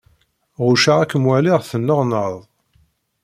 Ɣucceɣ ad kem-waliɣ tenneɣnaḍ.